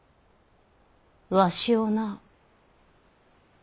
わしをな！